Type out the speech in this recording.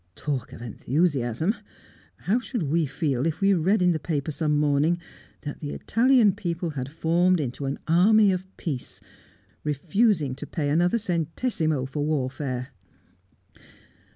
Talk of enthusiasm! How should we feel if we read in the paper some morning that the Italian people had formed into an army of peace refusing to pay another centesimo for warfare?